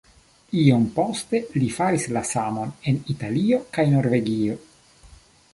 Iom poste li faris la samon en Italio kaj Norvegio.